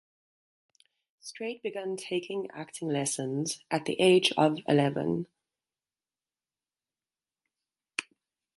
Strait began taking acting lessons at the age of eleven.